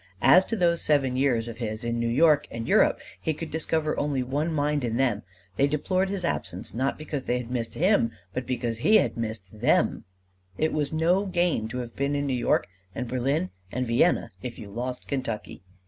As to those seven years of his in New York and Europe, he could discover only one mind in them: they deplored his absence not because they had missed him, but because he had missed them: it was no gain to have been in New York and Berlin and Vienna if you lost Kentucky!